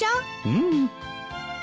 うん。